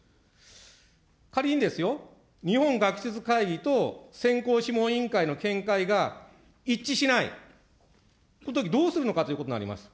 仮にですよ、日本学術会議と選考諮問委員会の見解が一致しない、そのときどうするのかということになります。